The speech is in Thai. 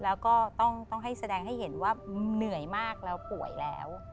แล้วก็ต้องให้แสดงให้เห็นว่าเหนื่อยมากแล้วป่วยแล้ว